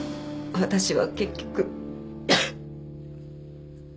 私は結局。